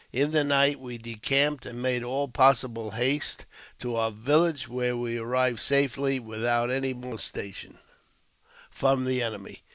In the night we decamped, and made all )0S8ible haste to our village, where we arrived in safety with )ut any molestation from the enemy.